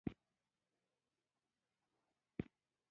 شېرمحمد بیا پوښتنه وکړه.